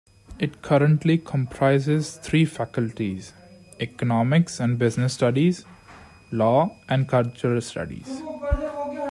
It currently comprises three faculties: Economics and Business Studies; Law; and Cultural Studies.